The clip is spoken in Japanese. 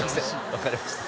わかりました。